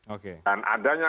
oke dan adanya